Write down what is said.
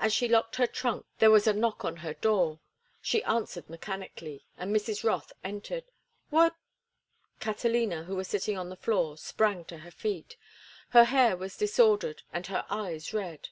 As she locked her trunk there was a knock on her door. She answered mechanically, and Mrs. Rothe entered. "What—" Catalina, who was sitting on the floor, sprang to her feet. Her hair was disordered and her eyes red.